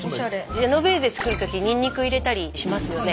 ジェノベーゼ作る時ニンニク入れたりしますよね。